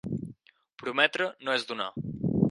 Prometre no és donar.